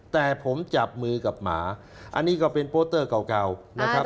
แต่ผมจับมือกับหมาอันนี้ก็เป็นโปสเตอร์เก่านะครับ